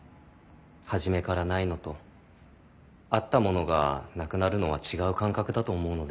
初めからないのとあったものがなくなるのは違う感覚だと思うので。